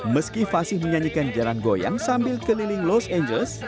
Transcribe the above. meski fasih menyanyikan jalan goyang sambil keliling los angeles